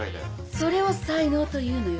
それを才能というのよ。